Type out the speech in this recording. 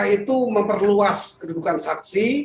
itu memperluas kedudukan saksi